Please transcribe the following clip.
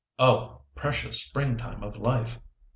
Oh! precious spring time of life!